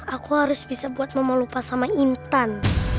aku harus bisa buat mama lupa sama intan